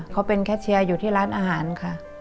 เขาเป็นแค่เชียร์อยู่ที่ร้านอาหารค่ะ